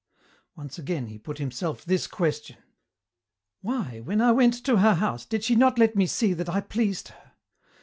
Once again he put himself this question: "Why, when I went to her house, did she not let me see that I pleased her?